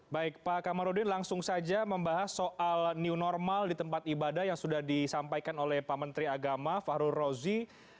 baik pak kamarudin langsung saja membahas soal new normal di tempat ibadah yang sudah disampaikan oleh pak menteri agama fahrul rozi